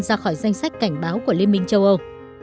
ra khỏi danh sách cảnh báo của liên minh châu âu